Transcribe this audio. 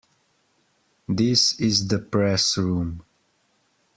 This is the Press Room.